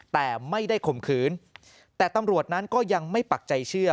แต่ไม่ได้ข่มขืนแต่ตำรวจนั้นก็ยังไม่ปักใจเชื่อ